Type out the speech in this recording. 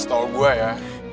setau gue ya